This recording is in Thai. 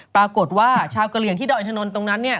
ปรากฏว่าชาวกะเลียนที่ดอยทะนท์ตรงนั้นเนี่ย